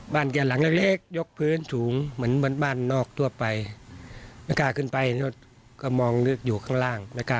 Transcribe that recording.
บ้านไงบ้านแกล่างเล็กยกพื้นสูงเหมือนบนบ้านนอกโทรงไปไม่ขยับขึ้นไปหาเหมือนก้มเหลืออยู่ข้างล่างทักเข้า